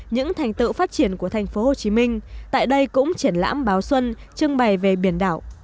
những thành tựu phát triển của tp hcm tại đây cũng triển lãm báo xuân trưng bày về biển đảo